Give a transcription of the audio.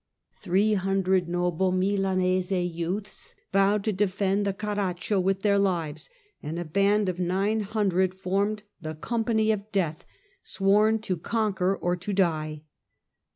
Three hundred noble Milanese youths vowed to defend the carroccio with their lives, and a band of nine hundred formed the " Company of Death," sworn to Battle of conquer or to die.